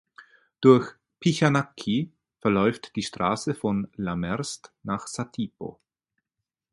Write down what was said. Durch Pichanaqui verläuft die Straße von La Merced nach Satipo.